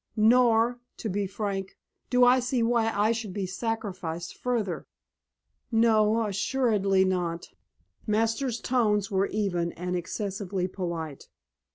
Nor to be frank do I see why I should be sacrificed further." "Oh, assuredly not." Masters' tones were even and excessively polite.